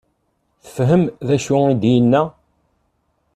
Tefhem d acu i d-yenna?